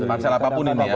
pancel apapun ini ya